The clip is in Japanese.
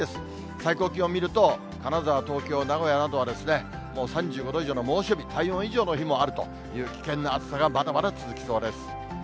最高気温見ると、金沢、東京、名古屋などはもう３５度以上の猛暑日、体温以上の日もあるという危険な暑さがまだまだ続きそうです。